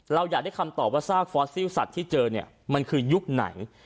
เราอยากได้คำตอบว่าซากฟอสซิลสัตว์ที่เจอเนี่ยมันคือยุคไหน